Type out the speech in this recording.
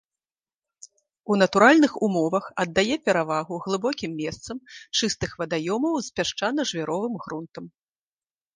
У натуральных умовах аддае перавагу глыбокім месцам чыстых вадаёмаў з пясчана-жвіровым грунтам.